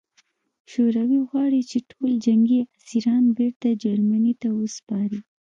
شوروي غواړي چې ټول جنګي اسیران بېرته جرمني ته وسپاري